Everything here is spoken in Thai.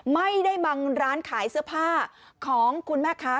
ไม่ได้บังร้านขายเสื้อผ้าของคุณแม่ค้า